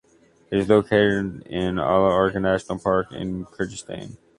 It is located in Ala Archa National Park in Kyrgyzstan.